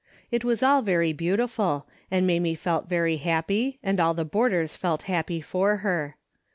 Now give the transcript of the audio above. It was all very beautiful, and Mamie felt very happy and all the boarders felt happy for her.